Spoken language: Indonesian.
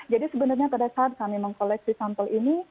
jadi sebenarnya pada saat kami mengkoleksi sampel ini